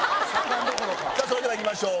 それではいきましょう